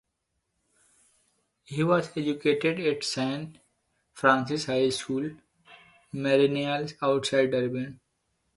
He was educated at Saint Francis High School, Mariannhill, outside Durban.